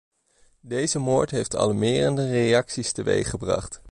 Deze moord heeft alarmerende reacties teweeggebracht.